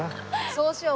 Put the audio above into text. そうしよう。